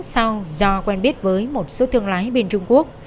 sau do quen biết với một số thương lái bên trung quốc